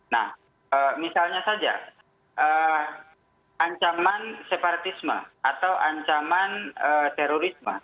nah misalnya saja ancaman separatisme atau ancaman terorisme